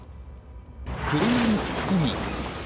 車に突っ込み。